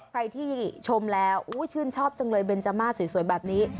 ใครที่ชมแล้วชื่นชอบจังเลยเบนจาม่าสวยแบบนี้